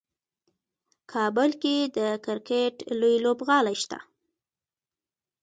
کابل کې د کرکټ لوی لوبغالی شته.